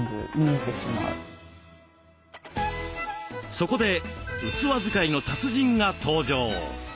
そこで器使いの達人が登場。